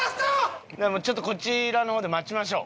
ちょっとこちらの方で待ちましょう。